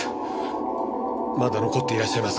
まだ残っていらっしゃいますか？